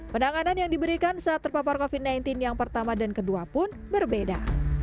penanganan yang diberikan saat terpapar covid sembilan belas yang pertama dan kedua pun berbeda